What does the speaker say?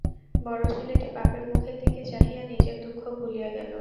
বড়ো ছেলেটি বাপের মুখের দিকে চাহিয়া নিজের দুঃখ ভুলিয়া গেল।